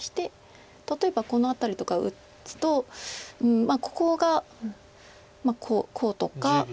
例えばこの辺りとか打つとここがこうとか。